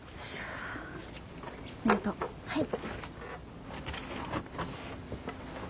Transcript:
はい。